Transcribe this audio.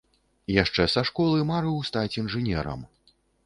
Яшчэ са школы марыў стаць інжынерам.